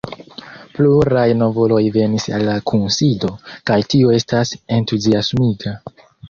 Pluraj novuloj venis al la kunsido, kaj tio estas entuziasmiga.